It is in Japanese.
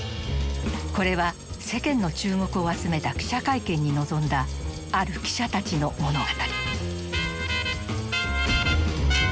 これは世間の注目を集めた記者会見に臨んだある記者たちの物語。